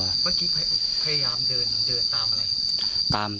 เมื่อกี้พยายามเดินตามอะไร